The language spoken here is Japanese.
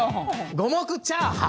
五目チャーハン！